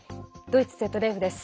ドイツＺＤＦです。